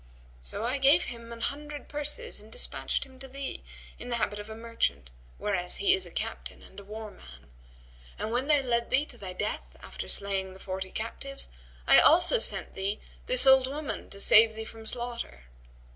So I gave him an hundred purses and despatched him to thee, in the habit of a merchant, whereas he is a captain and a war man; and when they led thee to thy death after slaying the forty captives, I also sent thee this old woman to save thee from slaughter."